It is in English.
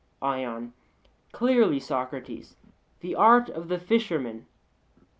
ION: Clearly, Socrates, the art of the fisherman.